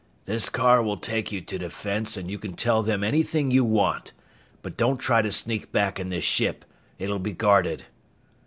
"This car will take you to Defense and you can tell them anything you want. But don't try to sneak back in this ship! It'll be guarded!"